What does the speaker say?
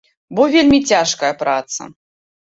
Бо вельмі цяжкая праца.